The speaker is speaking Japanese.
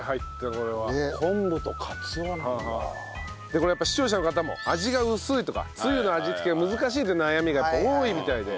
これやっぱ視聴者の方も味が薄いとかツユの味付けが難しいって悩みがやっぱ多いみたいで。